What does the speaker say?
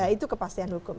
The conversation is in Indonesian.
itu kepastian hukum